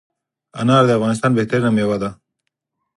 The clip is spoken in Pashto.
انار دافغانستان بهترینه میوه ده